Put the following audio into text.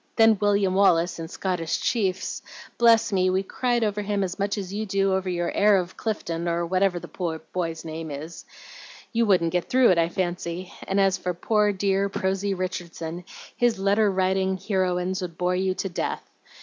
Then William Wallace in 'Scottish Chiefs.' Bless me! we cried over him as much as you do over your 'Heir of Clifton,' or whatever the boy's name is. You wouldn't get through it, I fancy; and as for poor, dear, prosy Richardson, his letter writing heroines would bore you to death.